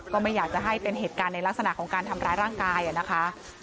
ก็ไม่อยากจะให้เป็นเหตุการณ์ในลักษณะของการทำร้ายร่างกายนะคะ